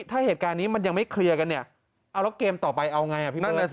ถ้าเหตุการณ์นี้มันยังไม่เคลียร์กันเนี่ยเอาแล้วเกมต่อไปเอาไงพี่มด